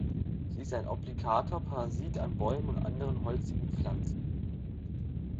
Sie ist ein obligater Parasit an Bäumen und anderen holzigen Pflanzen.